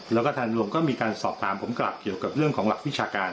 แล้วก็ทางรวมก็มีการสอบถามผมกลับเกี่ยวกับเรื่องของหลักวิชาการ